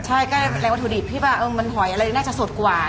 ใช่แหล่งวัตถุดิบมันหอยแน่นแน่จะสดกว่า